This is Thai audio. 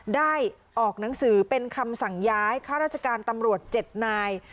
ได้ออกหนังสือเป็นคำสั่งย้ายข้าราชการตำรวจ๗นาย